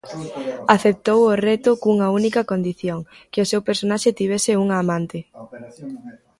Aceptou o reto cunha única condición: que o seu personaxe tivese unha amante.